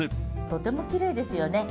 とてもきれいですよね。